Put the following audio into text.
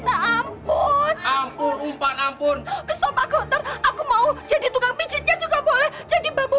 ampun minta ampun ampun ampun ampun aku mau jadi tukang pijitnya juga boleh jadi babu